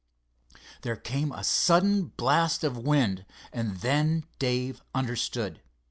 There came a sudden blast of wind, and then Dave understood.